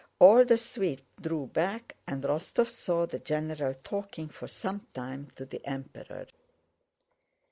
All the suite drew back and Rostóv saw the general talking for some time to the Emperor.